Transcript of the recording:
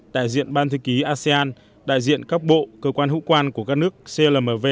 đại diện ban thư ký asean đại diện các bộ cơ quan hữu quan của các nước clmv